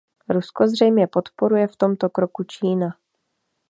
Rusko zřejmě podporuje v tomto kroku Čína.